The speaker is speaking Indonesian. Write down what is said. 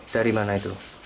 dari mana itu